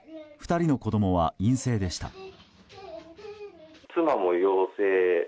２人の子供は陰性でした。